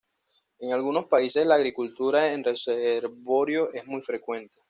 En algunos países, la acuicultura en reservorios es muy frecuente.